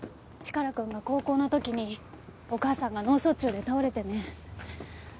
チカラくんが高校の時にお母さんが脳卒中で倒れてね。